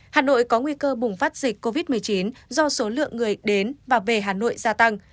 hà nội có nguy cơ bùng phát dịch covid một mươi chín do số lượng người đến và về hà nội gia tăng